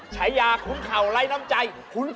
ใช้หยาขุนเขาไร้น้ำใจ